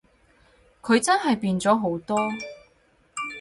佢真係變咗好多